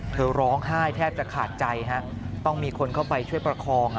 เธอร้องไห้แทบจะขาดใจฮะต้องมีคนเข้าไปช่วยประคอง